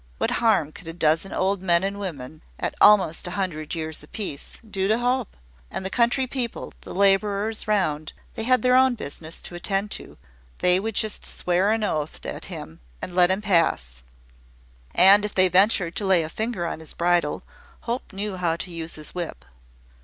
What harm could a dozen old men and women, at almost a hundred years apiece, do to Hope? and the country people, the labourers round, they had their own business to attend to: they would just swear an oath at him, and let him pass; and if they ventured to lay a finger on his bridle, Hope knew how to use his whip.